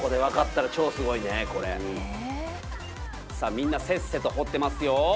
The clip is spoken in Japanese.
みんなせっせと掘ってますよ。